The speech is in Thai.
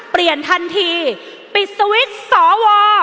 เปลี่ยนทันทีปิดสวิทย์สอวอ